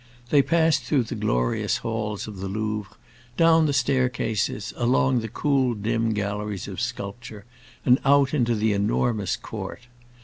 They passed through the glorious halls of the Louvre, down the staircases, along the cool, dim galleries of sculpture, and out into the enormous court.